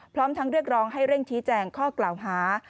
พร้อมทั้งเรียกร้องให้เร่งชี้แจงข้อกล่าวหา